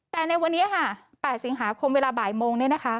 แต่ในวันนี้๘สิงหาคมเวลาบ่ายโมง